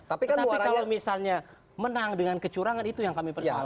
tapi kalau misalnya menang dengan kecurangan itu yang kami persoalkan